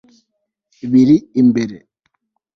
biri imbere